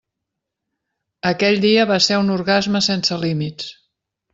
Aquell dia va ser un orgasme sense límits.